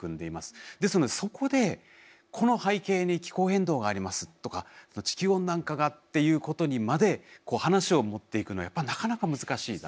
ですのでそこでこの背景に気候変動がありますとか地球温暖化がっていうことにまで話を持っていくのはやっぱりなかなか難しいだろうと。